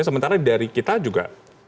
sementara dari kita juga